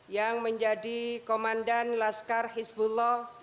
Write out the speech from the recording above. yang menjadi komandan laskar hisbullah